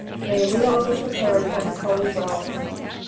May we all be prepared for his holy will.